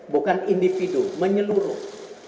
bukan individu menyeluruh